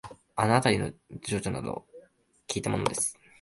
あのあたりの情緒などをきいたものです